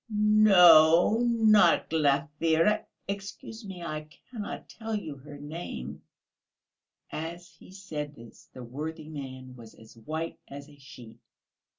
"No, not Glafira.... Excuse me, I cannot tell you her name." As he said this the worthy man was as white as a sheet.